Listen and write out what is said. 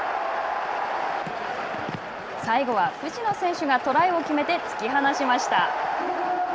最後は藤野選手がトライを決めて突き放しました。